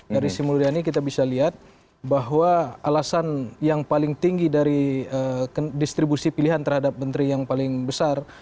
dari sri mulyani kita bisa lihat bahwa alasan yang paling tinggi dari distribusi pilihan terhadap menteri yang paling besar